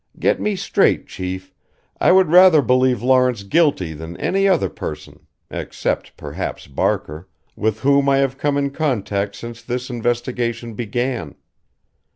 Get me straight, Chief I would rather believe Lawrence guilty than any other person except perhaps Barker with whom I have come in contact since this investigation began.